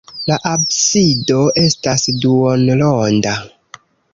La absido estas duonronda.